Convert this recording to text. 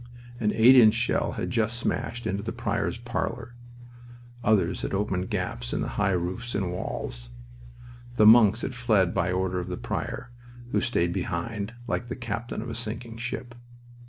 An eight inch shell had just smashed into the prior's parlor. Others had opened gaps in the high roofs and walls. The monks had fled by order of the prior, who stayed behind, like the captain of a sinking ship.